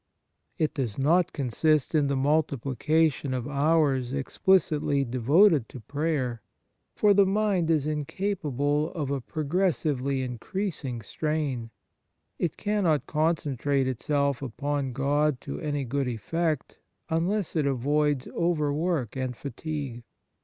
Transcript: It does not consist in the multipli cation of hours explicitly devoted to prayer, for the mind is incapable of a progressively increasing strain ; it cannot concentrate itself upon God to any good effect unless it avoids overwork and fatigue.